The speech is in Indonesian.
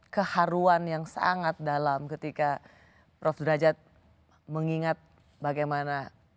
keharuan yang sangat dalam ketika prof derajat mengingat bagaimana